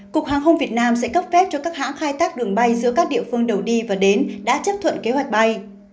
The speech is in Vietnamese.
cục hàng không việt nam sẽ cấp phép cho các hãng khai thác đường bay giữa các địa phương đầu đi và đến đã chấp thuận kế hoạch bay